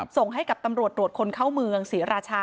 ส่งให้กับตำรวจตรวจคนเข้าเมืองศรีราชา